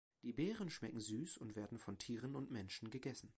Die Beeren schmecken süß und werden von Tieren und Menschen gegessen.